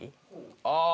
ああ。